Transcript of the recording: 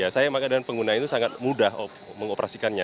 saya maka dan pengguna itu sangat mudah mengoperasikannya